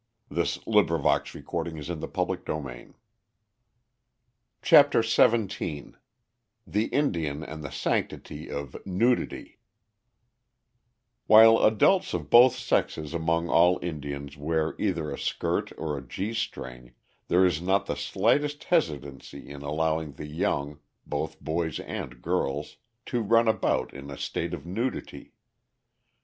] [Illustration: A HOPI BABY WHO HAS NEVER YET KNOWN CLOTHES.] CHAPTER XVII THE INDIAN AND THE SANCTITY OF NUDITY While adults of both sexes among all Indians wear either a skirt or a gee string, there is not the slightest hesitancy in allowing the young, both boys and girls, to run about in a state of nudity.